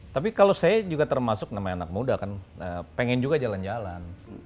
tapi kalau saya juga termasuk namanya anak muda kan pengen juga jalan jalan